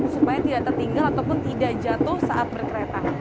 supaya tidak tertinggal ataupun tidak jatuh saat berkereta